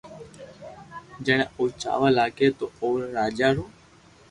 جني او جاوا لاگي تو اوري راجا رو